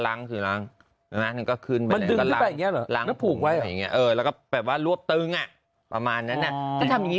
อะนี่เหมือนกับตึงขึ้นได้